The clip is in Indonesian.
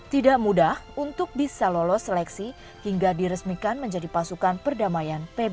tidak mudah untuk bisa lolos seleksi hingga diresmikan menjadi pasukan perdamaian pbb